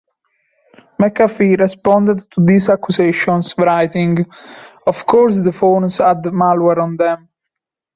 McAfee responded to these accusations, writing, Of course the phones had malware on them.